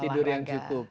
terus tidur yang cukup